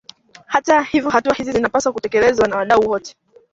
Hata hivyo hatua hizi zinapaswa kutekelezwa na wadau wote